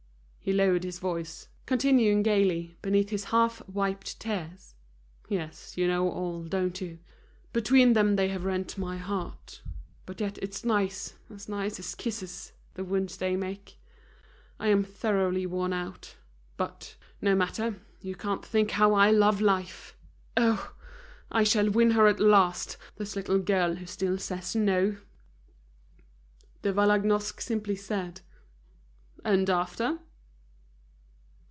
He lowered his voice, continuing gaily, beneath his half wiped tears: "Yes, you know all, don't you? Between them they have rent my heart. But yet it's nice, as nice as kisses, the wounds they make. I am thoroughly worn out; but, no matter, you can't think how I love life! Oh! I shall win her at last, this little girl who still says no!" De Vallagnosc simply said: "And after?"